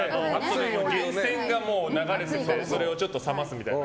源泉が流れててそれを冷ますみたいな。